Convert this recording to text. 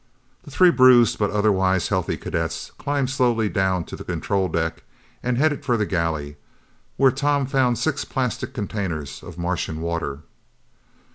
The three bruised but otherwise healthy cadets climbed slowly down to the control deck and headed for the galley, where Tom found six plastic containers of Martian water.